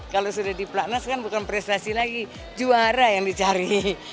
kalau sudah diplatnas kan bukan prestasi lagi juara yang dicari